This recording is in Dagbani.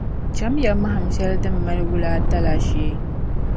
Cham ya mahim shɛli din mali wula ata la shee.